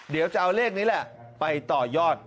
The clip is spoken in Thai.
เดี๋ยวจะเอาเลขนี้แหละไปต่อยอด